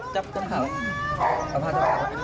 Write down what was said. จับกลางข่าว